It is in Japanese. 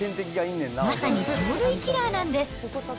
まさに盗塁キラーなんです。